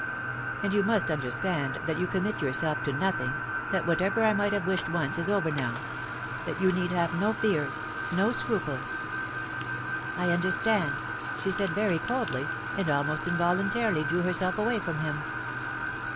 And you must understand that you commit yourself to BEFORE THE OPENING OF PARLIAMENT. 383 nothing, that whatever I might have wished once is over now — that you need have no fears, no scruples.' * I understand,' she said very coldly, and almost involun tarily drew herself away from him.